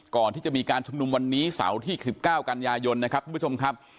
ก่อนที่จะมีการชุมนุมวันนี้เสาร์ที่๑๙กันยายนนะครับทุกผู้ชมครับ